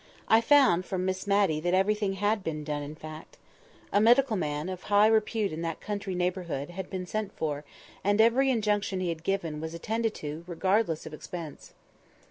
I found, from Miss Matty, that everything had been done, in fact. A medical man, of high repute in that country neighbourhood, had been sent for, and every injunction he had given was attended to, regardless of expense.